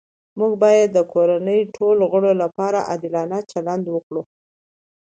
موږ باید د کورنۍ ټولو غړو لپاره عادلانه چلند وکړو